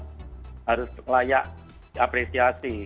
harus layak diapresiasi